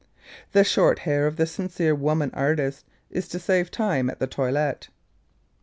The short hair of the sincere woman artist is to save time at the toilette.